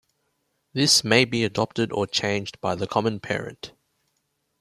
This may be adopted or changed by the common parent.